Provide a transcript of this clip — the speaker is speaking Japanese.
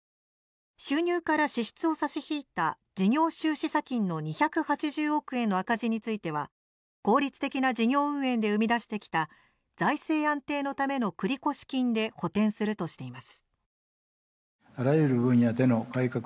収入から支出を差し引いた事業収支差金の２８０億円の赤字については、効率的な事業運営で生み出してきた「財政安定のための繰越金」で補てんするとしています。